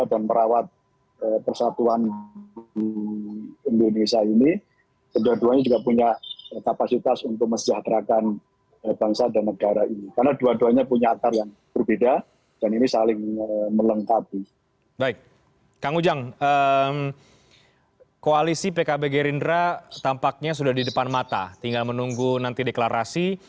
kenapa semua mengendaki supaya kader sendiri